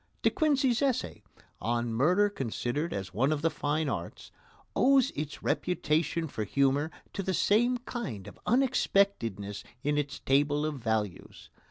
De Quincey's essay, "On Murder considered as one of the Fine Arts," owes its reputation for humour to the same kind of unexpectedness in its table of values.